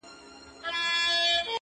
o پردى مور، نه مور کېږي٫